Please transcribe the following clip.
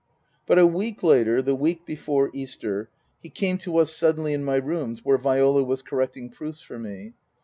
But a week later the week before Easter he came to us suddenly in my rooms where Viola was correcting proofs for me.